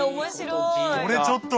これちょっと。